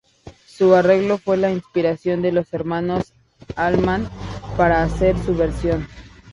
Su arreglo fue la inspiración de los hermanos Allman para hacer su versión.